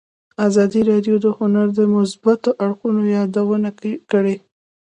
ازادي راډیو د هنر د مثبتو اړخونو یادونه کړې.